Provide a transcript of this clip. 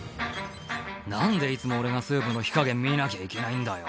「何でいつも俺がスープの火加減見なきゃいけないんだよ」